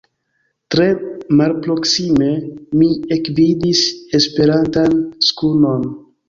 Tre malproksime mi ekvidis aperantan skunon.